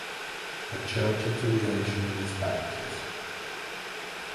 Her church affiliation was Baptist.